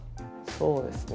そうですね